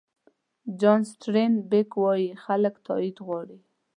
جان سټاین بېک وایي خلک تایید غواړي.